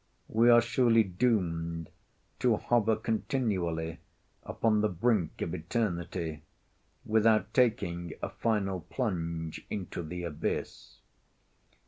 We are surely doomed to hover continually upon the brink of eternity, without taking a final plunge into the abyss.